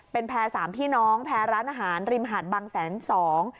เป็นแพร่สามพี่น้องแพรร้านอาหารริมหาดบางแสนสอง